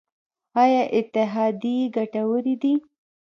آیا اتحادیې ګټورې دي؟